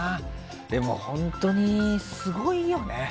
でも、本当にすごいよね。